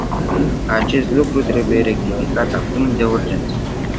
Acest lucru trebuie rectificat acum, de urgență.